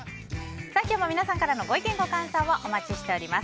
今日も皆さんからのご意見ご感想をお待ちしています。